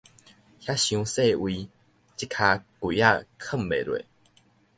遐傷細位，這跤櫃仔囥袂落去